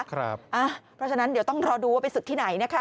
เพราะฉะนั้นเดี๋ยวต้องรอดูว่าไปศึกที่ไหนนะคะ